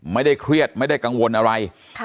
ไม่ได้เครียดไม่ได้กังวลอะไร